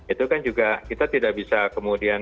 itu kan juga kita tidak bisa kemudian